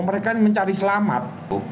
mereka mencari selamat